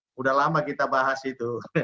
sudah lama kita bahas itu